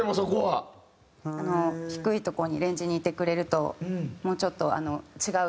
あの低いとこにレンジにいてくれるともうちょっと違う